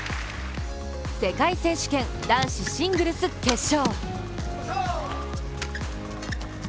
世界選手権、男子シングルス決勝。